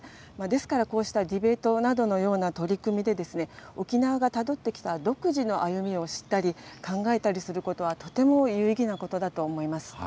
ですから、こうしたディベートなどのような取り組みで、沖縄がたどってきた独自の歩みを知ったり、考えたりすることは、とても有意義なことだと思います。